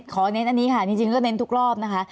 เน้นอันนี้ค่ะจริงก็เน้นทุกรอบนะคะ